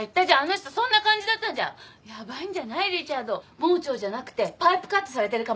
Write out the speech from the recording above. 盲腸じゃなくてパイプカットされてるかもよ。